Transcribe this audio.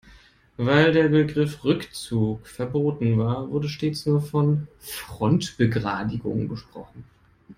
Weil der Begriff Rückzug verboten war, wurde stets nur von Frontbegradigung gesprochen.